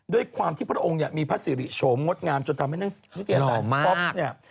ด้วยความที่พระองค์มีพระสิริโฉมงดงามจนทำให้นึกวิทยาศาสตร์ฟล็อค